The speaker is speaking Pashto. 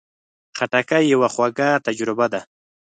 خټکی یوه خواږه تجربه ده.